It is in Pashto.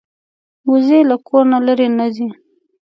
وزې له کور نه لرې نه ځي